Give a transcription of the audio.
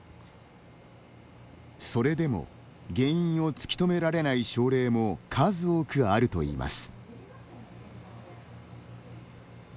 それでも、原因を突き止められない症例も数多くあるといいます。